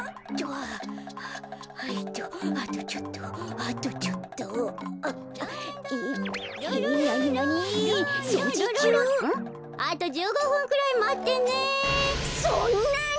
あと１５ふんくらいまってね。